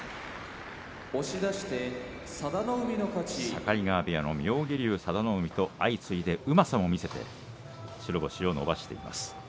境川部屋の妙義龍、佐田の海相次いでうまさを見せて白星を伸ばしています。